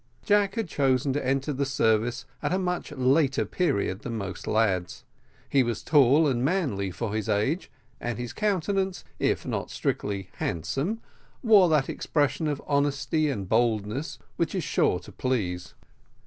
Jack had chosen to enter the Service at a much later period than most lads; he was tall and manly for his age, and his countenance, if not strictly handsome, wore that expression of honesty and boldness which is sure to please.